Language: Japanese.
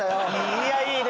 いやいいね